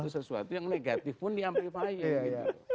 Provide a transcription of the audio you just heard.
sesuatu yang negatif pun di amplifying